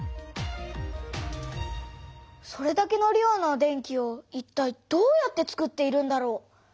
それだけの量の電気をいったいどうやってつくっているんだろう。